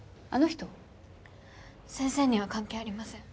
先生には関係ありません。